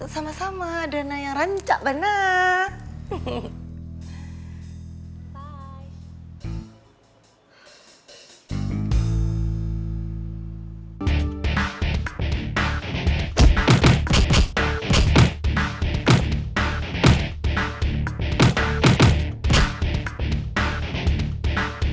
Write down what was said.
sama sama dana yang rancak banget